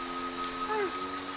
うん。